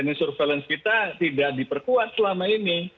ini surveillance kita tidak diperkuat selama ini